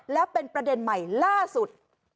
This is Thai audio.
แล้วเป็นประเด็นใหม่ล่าสุด